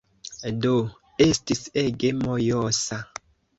Do, estis ege mojosa.